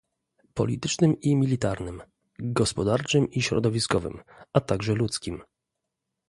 politycznym i militarnym, gospodarczym i środowiskowym, a także ludzkim